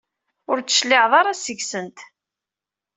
Ur d-tecliɛeḍ ara seg-sent.